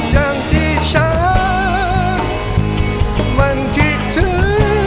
อย่างที่ฉันมันคิดถึง